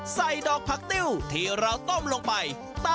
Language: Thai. ใส่ดอกผักติ้วที่เราต้มลงไป